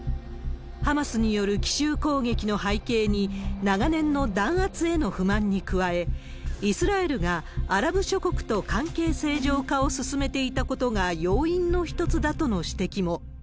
ハマスによる奇襲攻撃の背景に、長年の弾圧への不満に加え、イスラエルがアラブ諸国と関係正常化を進めていたことが要因の一つだとの指摘も。